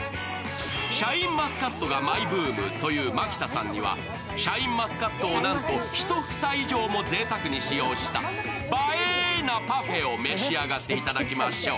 シャインマスカットがマイブームという蒔田さんにはシャインマスカットをなんと、１房以上も贅沢に使用した映えなパフェを召し上がっていただきましょう。